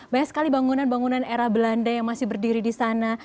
banyak sekali bangunan bangunan era belanda yang masih berdiri di sana